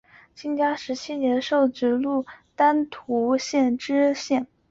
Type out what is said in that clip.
嘉靖十七年授直隶丹徒县知县。